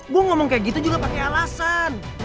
gue ngomong kayak gitu juga pake alasan